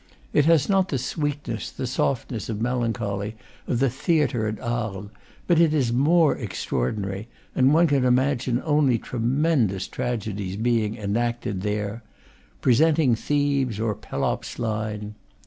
It has not the sweetness, the softness of melancholy, of the theatre at Arles; but it is more extraordinary, and one can imagine only tremendous tragedies being enacted there, "Presenting Thebes' or Pelops' line."